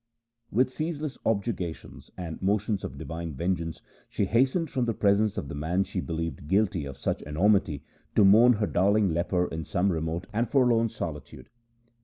With ceaseless objurgations and moni tions of divine vengeance she hastened from the presence of the man she believed guilty of such great enormity, to mourn her darling leper in some remote and forlorn solitude.